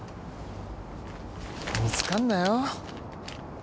見つかんなよ。